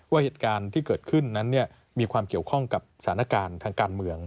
ว่าเหตุการณ์ที่เกิดขึ้นนั้นมีความเกี่ยวข้องกับสถานการณ์ทางการเมือง